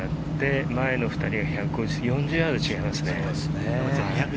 前の２人が１５０、１４０ヤード違います。